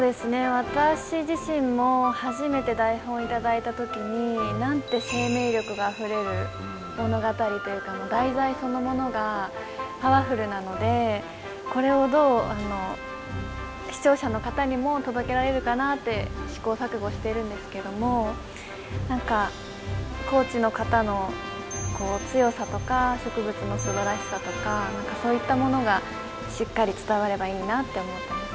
私自身も初めて台本頂いた時になんて生命力があふれる物語というか題材そのものがパワフルなのでこれをどう視聴者の方にも届けられるかなって試行錯誤してるんですけども何か高知の方の強さとか植物のすばらしさとか何かそういったものがしっかり伝わればいいなって思ってます。